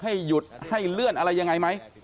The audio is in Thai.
ให้หยุดให้เลื่อนอะไรยังไงไหม